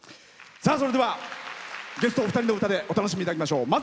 それではゲストお二人の歌でお楽しみいただきましょう。